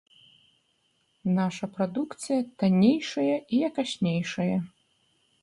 Наша прадукцыя таннейшая і якаснейшая.